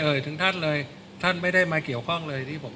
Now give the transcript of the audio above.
ถึงท่านเลยท่านไม่ได้มาเกี่ยวข้องเลยที่ผม